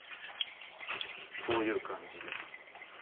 こういう感じで。